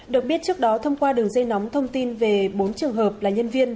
được biết trước đó thông qua đường dây nóng thông tin về bốn trường hợp là nhân viên